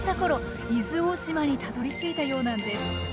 伊豆大島にたどりついたようなんです。